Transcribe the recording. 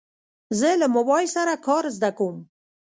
زه له موبایل سره کار زده کوم.